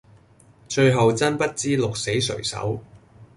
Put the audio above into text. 最後真不知鹿死誰手